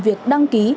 việc đăng ký